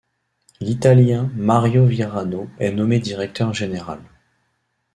L'Italien Mario Virano est nommé directeur général.